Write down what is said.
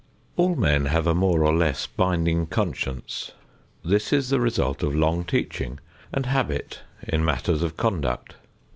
All men have a more or less binding conscience. This is the result of long teaching and habit in matters of conduct.